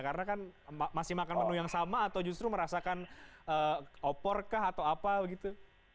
karena kan masih makan menu yang sama atau justru merasakan oporkah atau apa gitu